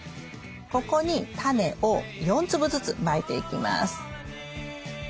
ここにタネを４粒ずつまいていきます。